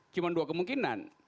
cuma dua kemungkinan